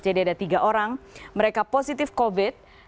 jadi ada tiga orang mereka positif covid sembilan belas